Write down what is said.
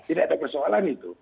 tidak ada persoalan itu